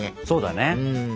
そうだね。